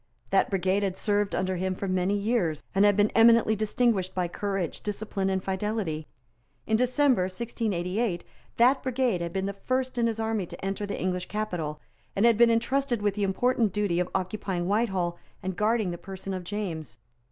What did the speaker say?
That brigade had served under him for many years, and had been eminently distinguished by courage, discipline and fidelity. In December 1688 that brigade had been the first in his army to enter the English capital, and had been entrusted with the important duty of occupying Whitehall and guarding the person of James.